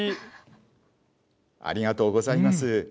ありがとうございます。